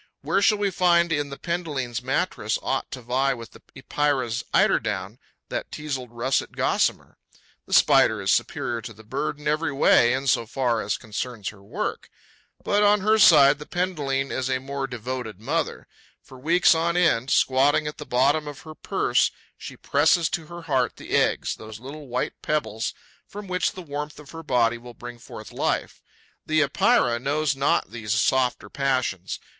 Where shall we find in the Penduline's mattress aught to vie with the Epeira's eiderdown, that teazled russet gossamer? The Spider is superior to the bird in every way, in so far as concerns her work. But, on her side, the Penduline is a more devoted mother. For weeks on end, squatting at the bottom of her purse, she presses to her heart the eggs, those little white pebbles from which the warmth of her body will bring forth life. The Epeira knows not these softer passions.